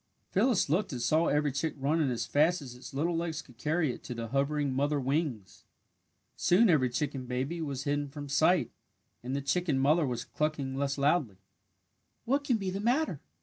Phyllis looked and saw every chick running as fast as its little legs could carry it to the hovering mother wings. Soon every chicken baby was hidden from sight and the chicken mother was clucking less loudly. "What can be the matter?"